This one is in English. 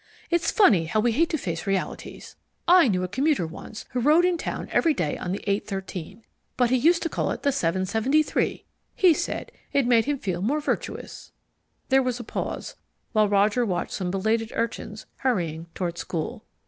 It's funny how we hate to face realities. I knew a commuter once who rode in town every day on the 8.13. But he used to call it the 7.73. He said it made him feel more virtuous." There was a pause, while Roger watched some belated urchins hurrying toward school.